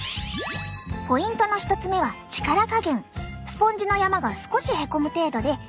ポイントの１つ目は力加減。